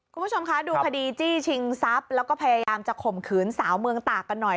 คุณผู้ชมคะดูคดีจี้ชิงทรัพย์แล้วก็พยายามจะข่มขืนสาวเมืองตากกันหน่อย